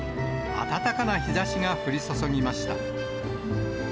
暖かな日ざしが降り注ぎました。